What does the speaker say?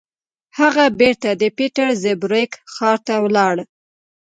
هغه بېرته د پيټرزبورګ ښار ته ولاړ.